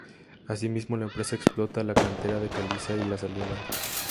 Asimismo, la empresa explota la cantera de caliza y la salina.